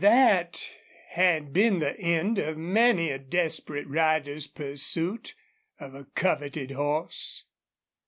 That had been the end of many a desperate rider's pursuit of a coveted horse.